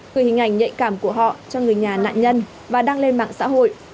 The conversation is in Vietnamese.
từ hình ảnh nhạy cảm của họ cho người nhà nạn nhân và đang lên mạng xã hội